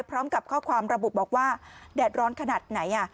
พร้อมกับข้อความระบุบอกว่าแดดร้อนขนาดไหน